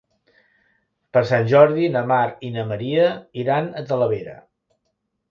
Per Sant Jordi na Mar i na Maria iran a Talavera.